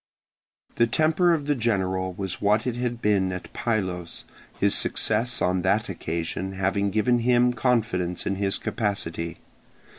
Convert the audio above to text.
The temper of the general was what it had been at Pylos, his success on that occasion having given him confidence in his capacity.